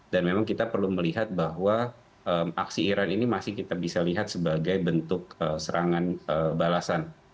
dan memang kita perlu melihat bahwa aksi iran ini masih kita bisa lihat sebagai bentuk serangan balasan